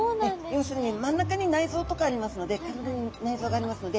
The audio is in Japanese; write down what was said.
要するに真ん中に内臓とかありますのでこの辺に内臓がありますので内臓を守るために。